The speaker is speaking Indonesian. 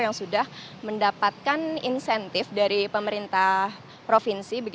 yang sudah mendapatkan insentif dari pemerintah provinsi